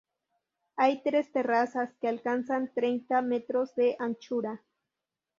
Hay tres terrazas que alcanzan treinta metros de anchura.